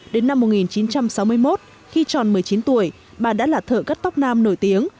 đến năm một nghìn chín trăm sáu mươi một khi tròn một mươi chín tuổi bà đã là thợ cắt tóc nam nổi tiếng